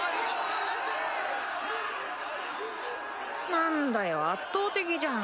なんだよ圧倒的じゃん。